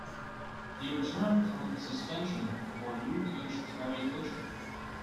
He returned from suspension for new coach Terry Butcher.